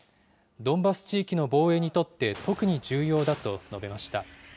ドンバス地域の防衛にとって、特に重要だと述べました。